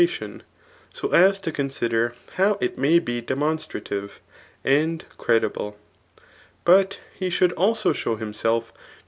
tiimt so as to consider how it may be demonstrative and credible^ but he should also shew himself to.